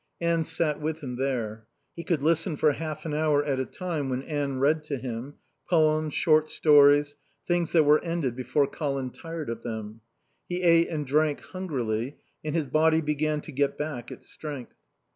Anne sat with him there. He was better. He could listen for half an hour at a time when Anne read to him poems, short stories, things that were ended before Colin tired of them. He ate and drank hungrily and his body began to get back its strength.